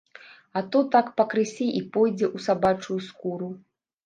А то так пакрысе і пойдзе ў сабачую скуру.